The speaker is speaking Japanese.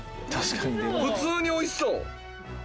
普通においしそう。